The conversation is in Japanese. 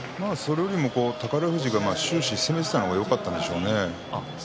宝富士が終始攻めていたのがよかったんでしょうね。